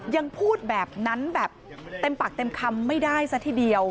ยังพูดแบบนั้นแบบเต็มปากเต็มคำไม่ได้ซะทีเดียว